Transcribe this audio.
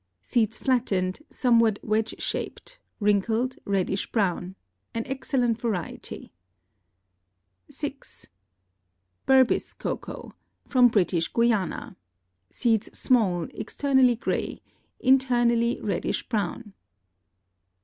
Seeds flattened, somewhat wedge shaped, wrinkled, reddish brown. An excellent variety. 6. Berbice Cocoa.—From British Guiana. Seeds small, externally gray, internally reddish brown.